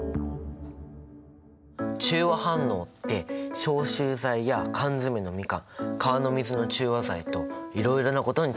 中和反応って消臭剤や缶詰のみかん川の水の中和剤といろいろなことに使われているんだね。